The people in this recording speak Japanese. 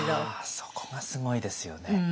そこがすごいですよね。